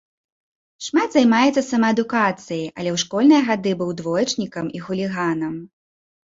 Шмат займаецца самаадукацыяй, але ў школьныя гады быў двоечнікам і хуліганам.